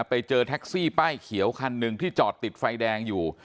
ไปเจอแท็กซี่ป้ายเขียวคันหนึ่งที่จอดติดไฟแดงอยู่